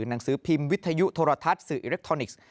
หนังสือพิมพ์วิทยุโทรทัศน์สื่ออิเล็กทรอนิกส์